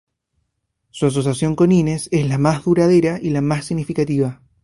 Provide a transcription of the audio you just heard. Su asociación con Hines es la más duradera y la más significativa.